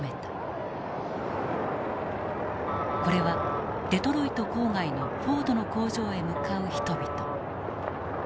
これはデトロイト郊外のフォードの工場へ向かう人々。